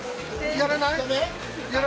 やらない？